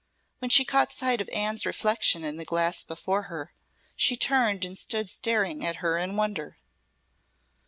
When she caught sight of Anne's reflection in the glass before her, she turned and stood staring at her in wonder.